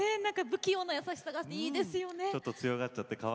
不器用な優しさがいいですよね。